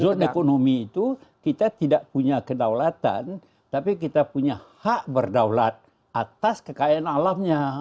zona ekonomi itu kita tidak punya kedaulatan tapi kita punya hak berdaulat atas kekayaan alamnya